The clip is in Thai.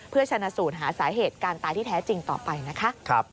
เพื่อชนะสูตรหาสาเหตุการตายที่แท้จริงต่อไปนะคะ